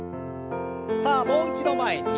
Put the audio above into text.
さあもう一度前に。